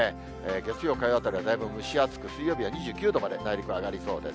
月曜、火曜あたりはだいぶ蒸し暑く、水曜日は２９度まで、内陸上がりそうです。